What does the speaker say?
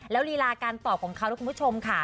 และรีลาการตอบของเขานลูกพี่ชมค่ะ